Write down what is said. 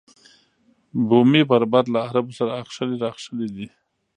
بومي بربر له عربو سره اخښلي راخښلي دي.